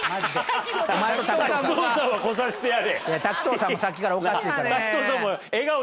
滝藤さんもさっきからおかしいから。